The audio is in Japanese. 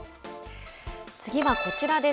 次はこちらです。